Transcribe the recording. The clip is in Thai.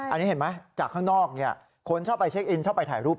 อันนี้เห็นไหมจากข้างนอกคนชอบไปเช็คอินชอบไปถ่ายรูป